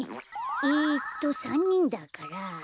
えっと３にんだから。